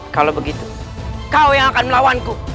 kalau begitu kau yang akan melawanku